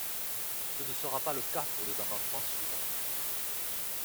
Ce ne sera pas le cas pour les amendements suivants.